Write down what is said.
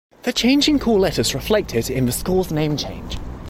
The change in call letters reflected in the school's name change.